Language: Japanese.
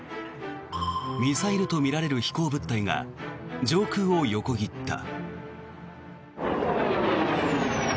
ミサイルとみられる飛行物体が上空を横切った。